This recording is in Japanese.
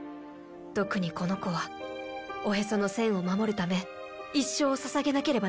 特にこの子はおへその栓を守るため一生を捧げなければならない。